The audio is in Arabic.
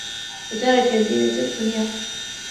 وَتَرَكَ زِينَةَ الدُّنْيَا